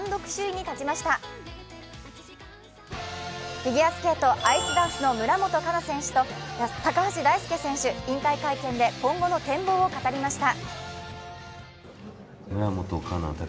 フィギュアスケートアイスダンスの村元哉中選手と高橋大輔選手、引退会見で今後の展望を語りました。